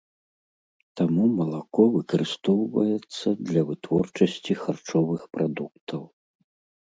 Таму малако выкарыстоўваецца для вытворчасці харчовых прадуктаў.